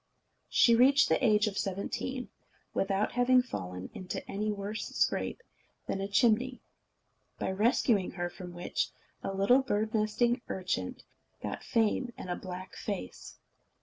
She reached the age of seventeen, without having fallen into any worse scrape than a chimney; by rescuing her from which, a little bird nesting urchin got fame and a black face.